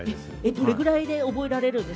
どれくらいで覚えられるんで